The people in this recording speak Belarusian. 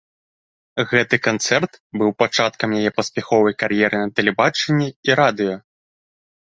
Гэты канцэрт быў пачаткам яе паспяховай кар'еры на тэлебачанні і радыё.